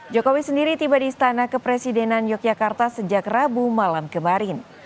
jokowi sendiri tiba di istana kepresidenan yogyakarta sejak rabu malam kemarin